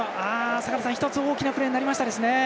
坂田さん、１つ大きなプレーになりましたね。